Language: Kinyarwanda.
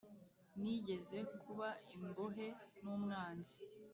nigeze kuba imbohe n'umwanzi